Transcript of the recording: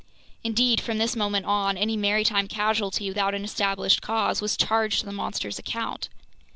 Indeed, from this moment on, any maritime casualty without an established cause was charged to the monster's account.